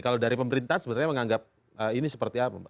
kalau dari pemerintah sebenarnya menganggap ini seperti apa mbak